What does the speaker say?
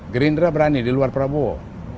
gerindra berani di luar prabowo